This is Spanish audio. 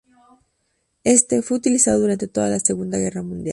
Este, fue utilizado durante toda la Segunda Guerra Mundial.